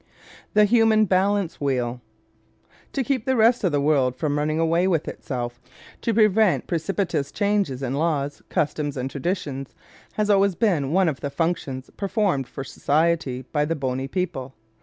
The Human Balance Wheel ¶ To keep the rest of the world from running away with itself, to prevent precipitous changes in laws, customs and traditions, has always been one of the functions performed for society by the bony people.